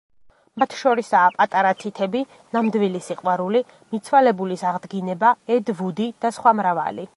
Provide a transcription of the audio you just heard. მათ შორისაა: „პატარა თითები“, „ნამდვილი სიყვარული“, „მიცვალებულის აღდგინება“, „ედ ვუდი“ და სხვა მრავალი.